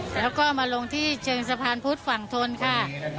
แล้วก็มาลงที่เชิงสะพานพุทธฝั่งทนค่ะ